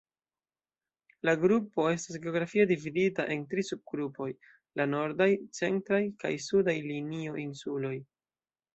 La grupo estas geografie dividita en tri subgrupoj; La Nordaj, Centraj, kaj Sudaj Linio-Insuloj.